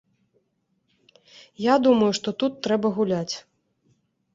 Я думаю, што тут трэба гуляць.